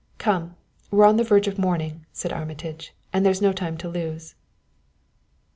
"Come! We're on the verge of morning," said Armitage, "and there's no time to lose."